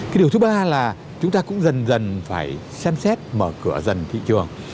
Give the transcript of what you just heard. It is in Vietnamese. cái điều thứ ba là chúng ta cũng dần dần phải xem xét mở cửa dần thị trường